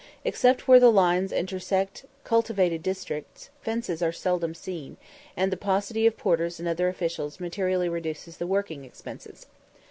Except where the lines intersect cultivated districts, fences are seldom seen, and the paucity of porters and other officials materially reduces the working expenses.